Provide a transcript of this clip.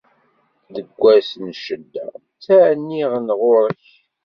Deg wass n ccedda, ttɛenniɣ-n ɣur-k.